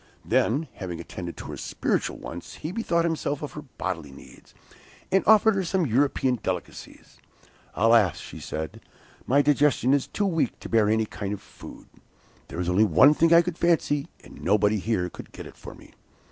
Then having attended to her spiritual wants, he bethought himself of her bodily needs, and offered her some European delicacies. 'Alas,' said she, 'my digestion is too weak to bear any kind of food. There is only one thing I could fancy, and nobody here could get it for me.